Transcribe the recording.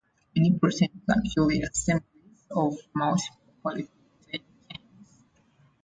Many proteins are actually assemblies of multiple polypeptide chains.